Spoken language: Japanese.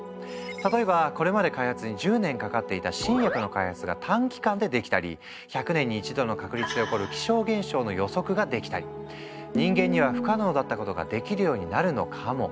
例えばこれまで開発に１０年かかっていた新薬の開発が短期間でできたり１００年に一度の確率で起こる気象現象の予測ができたり人間には不可能だったことができるようになるのかも。